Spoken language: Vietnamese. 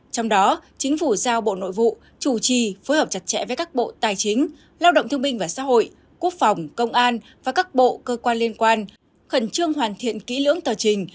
trong đó chính phủ giao bộ nội vụ chủ trì phối hợp chặt chẽ với các bộ tài chính lao động thương minh và xã hội quốc phòng công an và các bộ cơ quan liên quan khẩn trương hoàn thiện kỹ lưỡng tờ trình